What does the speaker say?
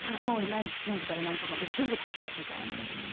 何時から何時まで全部交代みたいな。